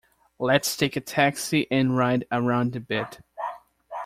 Let's take a taxi and ride around a bit!